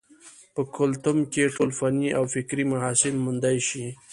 پۀ کلتم کښې ټول فني او فکري محاسن موندے شي